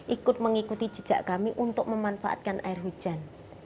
ikut mengikuti jejak kami untuk memanfaatkan air hujan